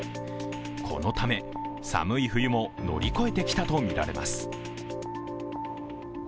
このため、寒い冬も乗り越えてきたとみられます。